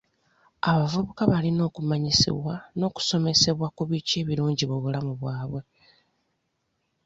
Abavubuka balina okumanyisibwa n'okusomesebwa ku biki ebirungi mu bulamu bwabwe.